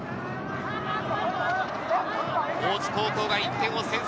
大津高校が１点を先制。